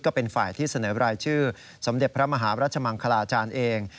ก็เป็นฝ่ายที่เสนอรายชื่อสมเด็จพระมหารัชมังคลาจารย์เอง